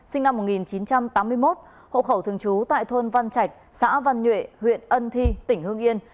sinh năm một nghìn chín trăm tám mươi một hộ khẩu thường trú tại thôn văn trạch xã văn nhuệ huyện ân thi tỉnh hương yên